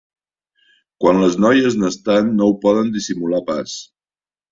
Quan les noies n'estan no ho poden dissimular pas.